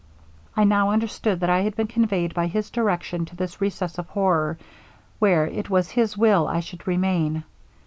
'I now understood that I had been conveyed by his direction to this recess of horror, where it was his will I should remain.